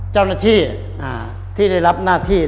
เจ้าหน้าที่ที่ได้รับหน้าที่